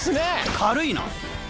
軽いな。